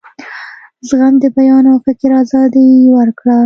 زغم د بیان او فکر آزادي ورکړه.